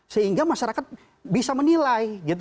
sehingga masyarakat bisa menilai